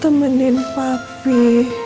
kamu temenin papi